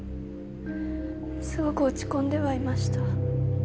すごく落ち込んではいました。